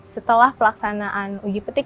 setelah pelaksanaan uji petik